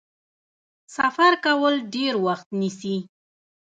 سفر کول ډیر وخت نیسي.